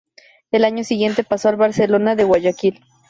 Al año siguiente pasó al Barcelona de Guayaquil.